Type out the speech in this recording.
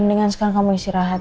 mendingan sekarang kamu istirahat